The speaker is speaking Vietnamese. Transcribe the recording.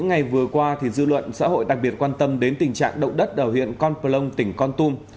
ngày vừa qua dư luận xã hội đặc biệt quan tâm đến tình trạng động đất ở huyện con plong tỉnh con tum